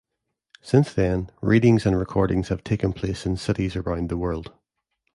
Since then, readings and recordings have taken place in cities around the world.